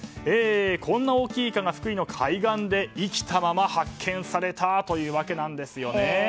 こんな大きいイカが福井の海岸で生きたまま発見されたというわけなんです。